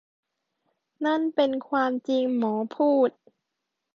นั่นเป็นความจริงหมอพูด